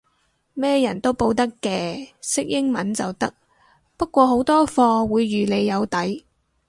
咩人都報得嘅，識英文就得，不過好多課會預你有底